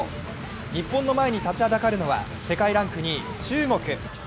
日本の前に立ちはだかるのは世界ランク２位、中国。